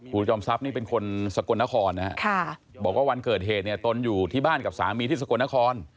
ครูอ๋องบอกว่าวันเกิดเหตุต้นอยู่ที่บ้านกับสามีที่สะกดนคร